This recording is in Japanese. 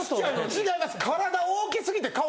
違います。